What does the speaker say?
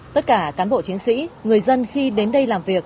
tất cả cán bộ chiến sĩ người dân khi đến đây làm việc